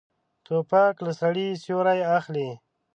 توپک له سړي سیوری اخلي.